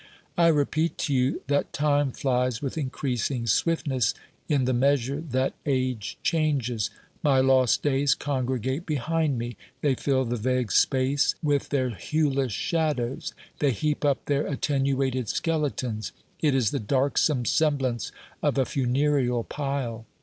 I repeat to you that time flies with increasing swift ness in the measure that age changes. My lost days congregate behind me. They fill the vague space with their hueless shadows ; they heap up their attenuated skeletons ; it is the darksome semblance of a funereal pile.